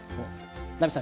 奈実さん